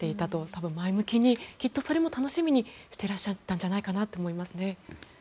多分、前向きにきっとそれも楽しみしていらっしゃったんじゃないかと思いますね。